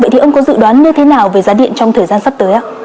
vậy thì ông có dự đoán như thế nào về giá điện trong thời gian sắp tới ạ